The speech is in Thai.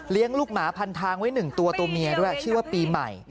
เลี้ยงลูกหมาพันทางไว้หนึ่งตัวตัวเมียด้วยชื่อว่าปีใหม่